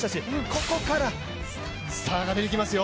ここから、スターが出てきますよ。